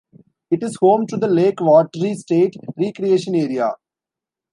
It is home to the Lake Wateree State Recreation Area.